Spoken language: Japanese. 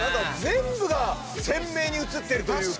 全部が鮮明に写ってるというか。